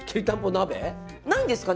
ないんですかね？